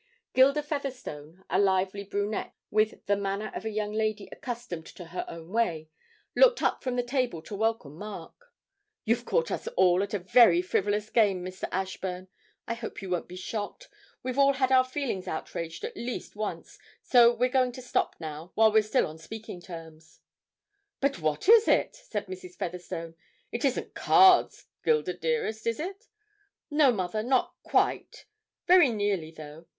Gilda Featherstone, a lively brunette, with the manner of a young lady accustomed to her own way, looked up from the table to welcome Mark. 'You've caught us all at a very frivolous game, Mr. Ashburn. I hope you won't be shocked. We've all had our feelings outraged at least once, so we're going to stop now, while we're still on speaking terms.' 'But what is it?' said Mrs. Featherstone. 'It isn't cards, Gilda dearest, is it?' 'No, mother, not quite; very nearly though.